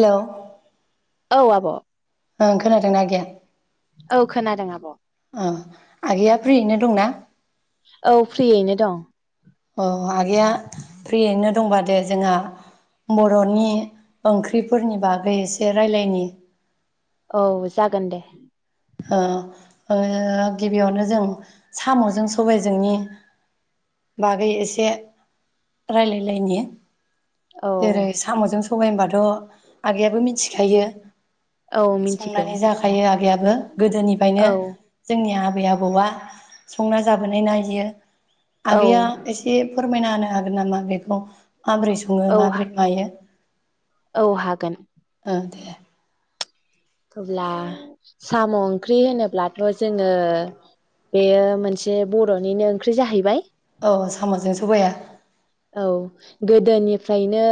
हेल' औ आब'। ओं खोनादोंना आगैया? औ खोनादों आब'। आगैया फ्रियैनो दंना? औ फ्रियैनो दं। औ आगैया फ्रियैनो दंबा दे जोंहा बर'नि ओंख्रिफोरनि बागै एसे रायज्लायनि। औ जागोन दे। ओ ओ गिबियावनो जों साम'जों सबायजोंनि बागै एसे रायज्लायलायनायनि। औ जेरै साम'जों स सबाय होनबाथ' आगैयाबो मिथिखायो? औ मिथिगौ संनानै जाखायो आ गैयाबो गोदोनिफ्रायनो औ जोंनि आ आबै आबौआ संना जाबोनाय ना इयो। औ आगैया एसे फोरमायना होनो हागोन नामा? आगै औ माबोरै सङो औ माबोरै मायो। औ हागोन। ओ दे अब्ला साम' ओंख्रि होनोब्लाथ' जोंङो बेयो मोनसे बर'निनो ओंख्रि जाहैबाय। अ साम'जों सबाया औ गोदोनिफ्रायनो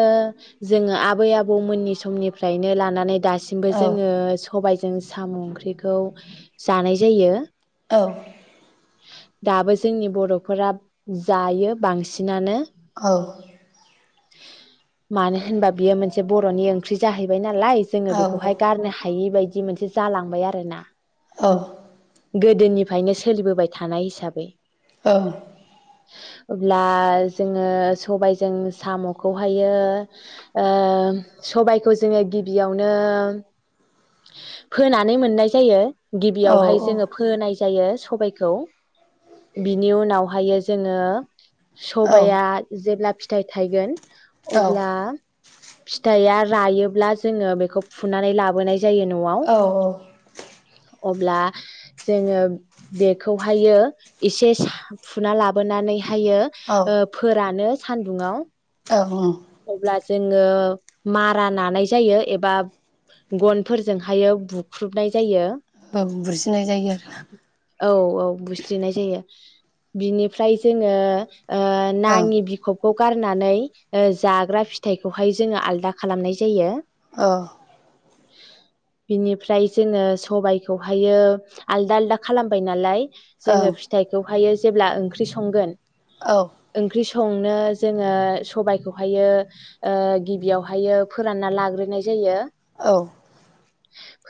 जोंङो आबै आबौमोननि समनिफ्रायनो लानानै दासिम सिमबो औ जोंङो सबाय जों साम' ओंख्रिखौ जानाय जायो। औ। दाबो जोंनि बर'फोरा जायो बांसिनानो। औ। मानो होनबा बियो मोनसे बर'नि ओंख्रि जाहैबाय नालाय जोङो औ बेखौहाय गारनो हायै बायदि बिदि मोनसे जालांबाय आरो ना। अ' गोदोनिफायनो सोलिबोबाय थानाय हिसाबै। ओं। अब्ला जोङो सबायाइजों साम'खौहायो ओ सबायाइखौ जोङो गिबियावनो फोनानै मोननाय जायो। गिबियावहाय स औ जोङो फोनाय जायो। सबायखौ बिनि उनावहायो जोङो सबाइया जेब्ला फि थाइ थाइगोन। अब्ला फिथाइआ रायोब्ला जोङो बेखौ फुनानै लाबोनाय जायो न'आव। औ अब्ला जोङो बेखौहायो एसे सा-फुना लाबोनानै थायो औ ओ फोरानो। सान्दुङाव औ ओं। जोङो मारा नानाय जायो एबा गनफोरजोंहायो बुख्रुबनाय जायो। बुजिनाय जायो औ औ बुस्रिनाय जायो। बिनिफ्राय जोङो ओ आरो नाङि बिख'ब खौ गारनानै ओ जाग्रा फिथाइखौहाय जोङो आलदा खालामनाय जायो। ओ। बिनिफ्राय जोङो सबायखौहायो आलदा आलदा खालामबाय नालाय औ जोङो फिथाइखौहायो जेब्ला ओंख्रि संगोन ओं ओंख्रि स संनो जोङो सबाय खौहायो ओ गिबियावनो फोरानना लाग्रोनाय जायो। औ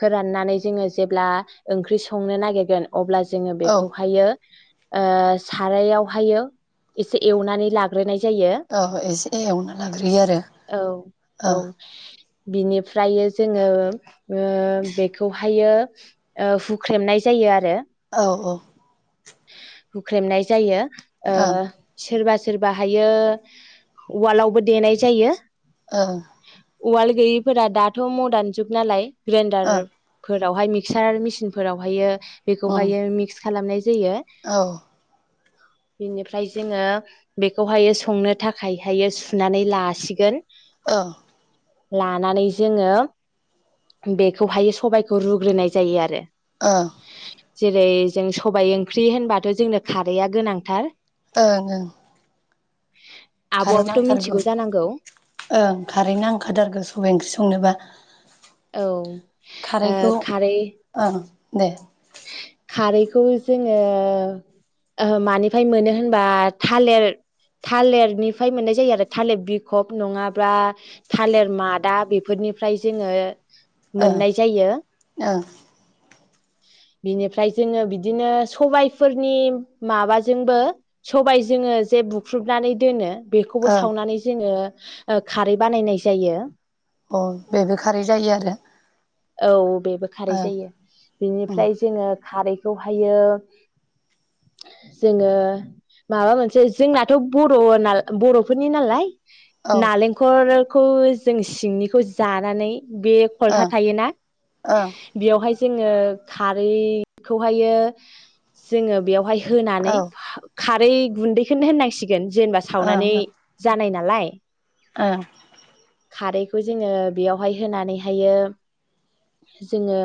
फोराननानै जोङो जेब्ला ओंख्रि संनो नागिरगोन अब्ला जोङो औ बेखौहायो। ओ सारायावहायो एसे एवनानै लाग्रोनाय जायो औ इसे एवना लाग्रोयो आरो औ औ ओ बिनिफ्रायो जोङो ओ बेखौहायो ओ हुख्रेमनाय जायो आरो अ अ हुख्रेमनाय जायो। ओ औ सोरबास सोरबाहायो उवालावबो देनाय जायो। ओ उवाल गैयैफोरा दाथ' मदान जुग नालाय। ओं ग्रेन्डारफोर फोरावहाय मिक्सार मेसिनफोरावहायो ओं उम बेखौहायो मिक्स खालामनायज जायो। औ बेनिफ्राय जोङो बेखौहाय संनो थाखायहायो सुनानै लासिगोन। ओ लानानै जोङो बेखौहाय सबायखौ रुग्रोनाय जायो आरो ओं जेरै जोंस सबाइ ओंख्रि होनबाथ' जोंनो खारैया गोनांथार। ओंं ओं खारै आब'आबोथ' नांथारगौ मिथिगौ जानांगौ ओं खारै नांखाथारगौ सबाइ ओंख्रि संनोबा। औ खारैखौ खारै ओं दे। खारैखौ जोङो ओ मानिफ्राय मोनो होनबा थालिर थालिरनिफ्राय मोननाय जायो आरो थालिर बिखब नङाब्ला थालिर मादा बेफोरनिफ्राय जोङो ओं मोननाय जायो। ओं बिनिफ्राय जोङो बिदिनो सबाइफोरनि माबाजोंबो सबाइ जोङो जे बुख्रुबनानै दोनो। बेखौबो ओं सावनानै जोङो ओ खारै बानायनाय जायो। अ बेबो खारै जायो आरो औ बेबो खारै ओं जायो उम बिनिफ्राय जोङो खारैखौहायो जोङो माबा मोनसे जोंनाथ' बर'ना बर'फोरनि नालाय। औ नालेंखर खौ जों सिंनिखौ जानानै बे खलथा ओं थायोना? ओं बेयावहाय जोङो खारैखौहायो जोङो बेयावहाय औ होनानै ओं खारै गुन्दैखौनो होननांसिग गोन जेनबा सावनानै जानाय ना लाय ओ खारैखौ जोङो बेयावहाय होनानैहायो जोङो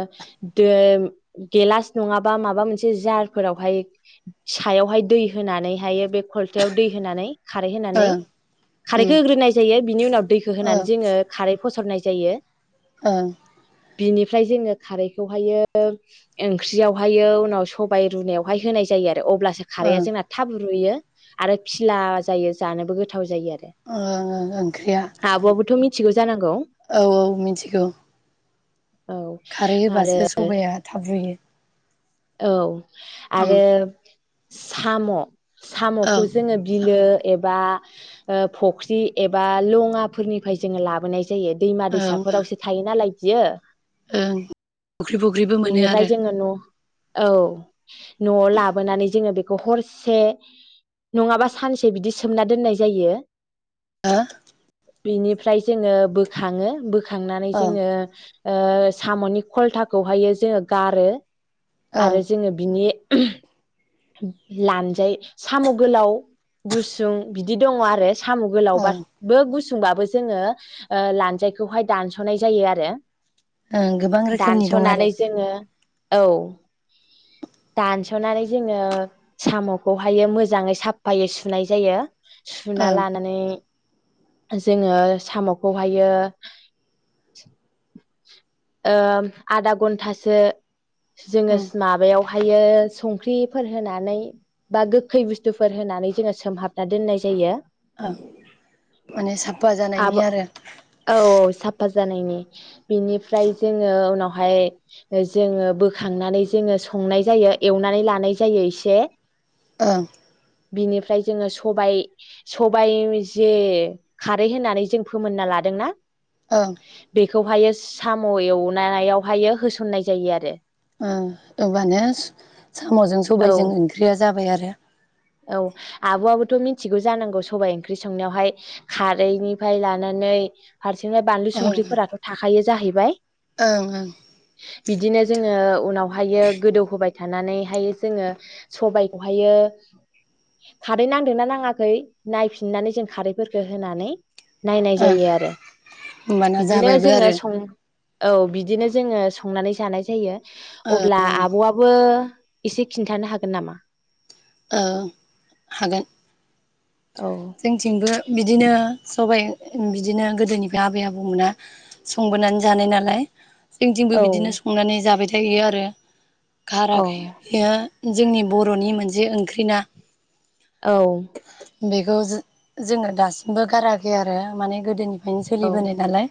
दैम गेलास नङाबा माबा मोनसे जारफोरावहाय सायावहाय दै होनानै हायो बे खलथायाव दै होनानै खारै होनानै ओं उम खारैखौ होग्रोनाय जायो बिनि उनाव दैखौ होनानै ओं जोङो खारै फसरनाय जायो। ओं बिनिफ्राय जोङो खारैखौहायो ओंख्रियावहायो उनाव सबायाइ रुनायावहाय होनाय जायो आर रो अब्लासो खारैआ ओं जोंना थाब रुयो। आरो फिला जायो जानोबो गोथाव जा ओं ओं ओं ओंख्रिया आब'आबोथ' मिथिगौ जानांगौ औ औ मिथिगौ। औ खारै आरो होबासो सबाया थाबरुयो। औ आरो साम' औ साम'खौ जोङो बिलो एबा ओ फख्रि एबा लङाफोरनिफ्राय जोङो लाबोनाय जा जायो दैमा ओं ओं दैसाफोरावसो थायो नालाय बियो ओं फख्रि फख्रिबो मोनो बिनिफ्राय आरो? जोङो न' औ नआव लाबोनानै जोङो बे हरसे नङाबा सानसे बिदि सोमना दोननाय जायो ओ बिनिफ्राय जोङो बोखाङो बो थांनानै ओं जोङो ओ सामनि खलथाखौहायो जोङो गारो ओं आरो जोङो बिनि लानजाय साम गोलाव गुसुं बिदि दङ आरो साम गोलाव ओं बाबो गुस सुंबाबो जोङो लानजायखौहाय दानसनाय जायो आरो ओं गोबां रोखोमनि दं आरो दानस'नानै जोङो औ दानसनानै जोङो साम'खौहाय मोजाङै साफायै सुनाय जायो सुना ओं लानानै जोङो साम'खौहायो ओ आधा घन्टासो जोङो ओं माबायाव ओमफायो संख्रिफोर होनानै बा गोखै बुस्थुफोर होनानै जोङो सोमहाबना दोननाय जायो ओ माने साफा आब जानायनि आरो औ साफा जानायनि बिनिफ्राय जोङो उनावहाय जोङो बोखांनानै जोङो संनाय जायो एवनानै लानाय जायो एसे ओं बिनिफ्राय जोङो सबाय सबाय जे खारै होनानै जों फोमोनना लादोंना ओं बेखौहायो साम' एवनायावहायो होसननाय जायो आरो ओं होमबानो साम'जों औ सबायजों ओंख्रिया जाबाय आरो औ आब आबो थ' मिथिगौ जानांगौ सबाइ ओंख्रि संनायावहाय खारैनिफ्राय लानानै फारसेनिफ्राय बानलु ओं सुंख्रिफोराथ थाखायो जाहैबाय ओं ओं बिदिनो जोङो उनाव ओमफायो गोदौ होबाय थानानैहाय जोङो सबायखौहायो खारै नांदोंना नाङाखै नायफिननानै जों खारैफोरखौ होनानै नायनाय ओं जायो आरो होमबाना बिदिनो जाबायबो जोङो आरो सं औ बिदिनो जोङो संनानै जानाय जायो ओं अब्ला आबआबो एसे खिन्थानो हागोन नामा ओं हागोन औ जोंथिंबो बिदिनो सबाय ओम बिदिनो गोदोनिफ्राय आबै आबौमोना संबोनानै जानाय नालाय जोंथिंबो औ बिदिनो संनानै जाबाय थ थायो आरो औ [unintelligible] जोंनि बरनि मोनस जे ओंख्रि ना औ बेखौ जो-जोङो दासिमबो गाराखै आरो माने गोदोनिफ फायनो औ सोलिबोनाय नालाय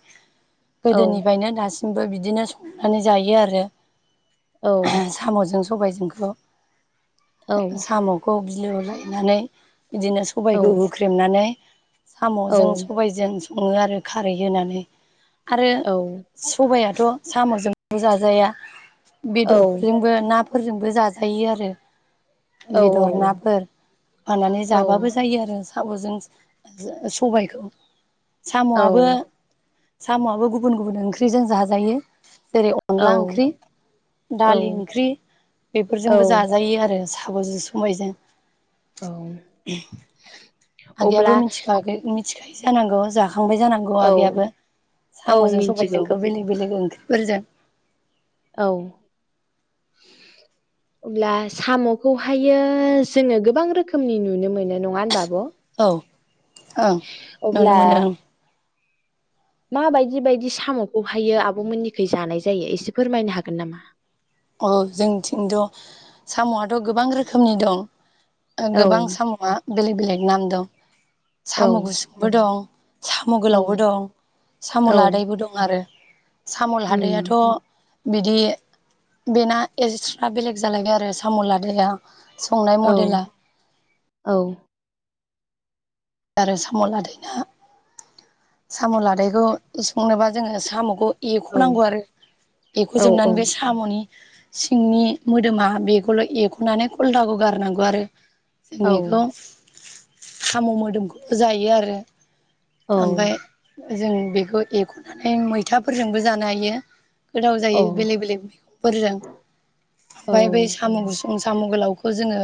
औ गोदोनिफ्रायनो दासि मफ्राय बिदिनो संनानै जायो आरो औ सामजों सं सबायाइजोंखौ औ सामखौ बि बिलोआव लायनानै बिदिनो सबायखौ बुख्रेमनानै सामजों सबायजों सङो आरो खारै होनानै आरो औ सबाया थ' सामजोंल' जाजाया औ बेदरफोरजोंबो नाफ फोरजोंबो जाजायो आरो औ बेदर नाफोर होनानै औ जाबाबो जायो आरो सम'जों सबायखौ औ सामआबो सामआबो गुबुन गुबुन ओंख्रिजों जाजायो जेरै अनला ओंख्रि दालि ओंख्रि बेफोरजोंबो जाजायो आरो सा साम'जों समायजों औ आगैयाबो अब्ला मिथिखागो मिथिखायो जानांगौ जा खांबाय जानांगौ औ आगैयाबो औ सामजों मिन्थिगौ सबायजोंखौ बेलेग बेलेग ओंख्रि बुरजा औ अब्ला साम'खौहायो जोङो गोबां रोखोमनि नुनो मोनो नङा होनबा आब' अ ओं नुनो अब्ला मोनो ओं माबायदि बायदि साम'खौहाययो आब' मोननिखै जानाय जायो एसे फोरमायनो हागोन नामा? औ जोंथिंथ' साम'आथ' गोबां रोखोमनि दं। ओ औ गोबां साम'आ बेलेग बेलेग नाम दं। औ साम' गुसुंबो दं। साम' औ गोलावबो दं, साम' औ लादायबो दं आरो। उम साम'लाहादैयाथ' बिदि बेना एक्सट्रा बेलेग जालायबाय आरो साम' लादाया संनाय औ मडेला। औ आरो साम' लादायना साम' लादायखौ संनोबा जोङो साम'खौ औ एख'नांगौ आरो औ औ एख'जोबनानै बे साम'नि सिंनि मोदोमा बेखौल' एख'नानै खलथाखौ गारनांगौ आरो। जोंनिखौ साम' मोदोमखौबो जायो आरो। औ ओमफाय जों बेखौ एख'नानै मैथाफोरजोंबो जानो हायो। गोथाव औ जायो बेलेग बेलेग मैगंफोरजों ओमफाय बे औ साम'गुसुं साम' गोलावखौ जोंङो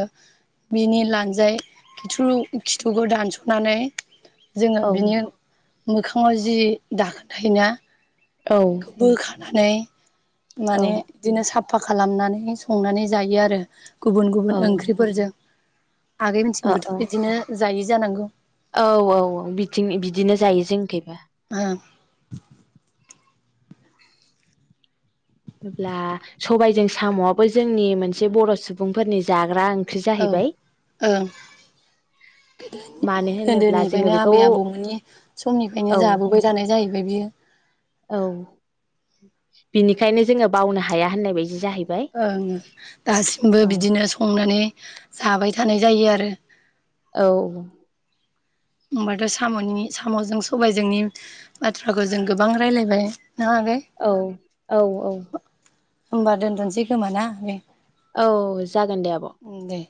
बिनि लानजाय खिथ्रु खिथुखौ दानस'नानै जोंङो औ बिनि मोखाङाव जि दाखोन थायोना औ नै औ ओ माने बिदिनो साफ फा खालामनानै संनानै जायो आरो। गुबुन गुबुन ओ ओंख्रिफोरजों। आगै मिथिंबोथ' बिदिनो जायि जानांगौ। औ औ औ बिथिं बिदिनो जायो जोंनिखोयबो। ओं अब्ला सबायजों साम'आबो जोंनि मोनसे बर' सुबुंफोरनि जाग्रा ओंख औ ओं गोदोनि मानो ओं होनोब्ला जोङो गोदोनिफायनो बेखौ आबै आबौमोननि समनिफायनो औ जाबोबाय थानाय जाहैबाय बियो। औ बिनिखायनो जोंङो बावनो हाया होननाय बायदि जाहैबाय ओं दासिमबो औ बिदिनो संनानै जाबाय थानाय जायो आरो। औ‌ होमबाथ' साम'नि साम'जों सबायजोंनि बाथ्राखौ जों गोबां राय्लायबाय। औ औ औ। होमबा दोनथनसै खोमा ना आ औ जागोन दे आब'। दे